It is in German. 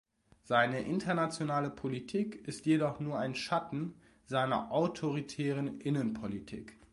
Seine internationale Politik ist jedoch nur ein Schatten seiner autoritären Innenpolitik.